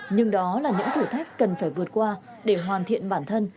nhưng đó là những thử thách cần phải vượt qua để hoàn thiện bản thân